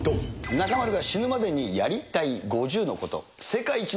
中丸が死ぬまでにやりたい５０のこと。